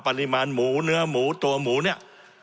ปริมาณหมูเนื้อหมูตัวหมูเนี่ย